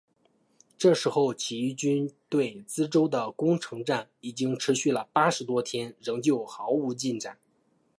这时候起义军对梓州的攻城战已经持续了八十多天仍旧毫无进展。